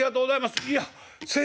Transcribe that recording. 「いや先生